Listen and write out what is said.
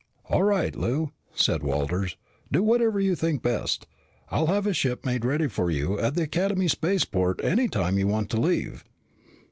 "All right, Lou," said Walters. "Do whatever you think best. I'll have a ship made ready for you at the Academy spaceport any time you want to leave."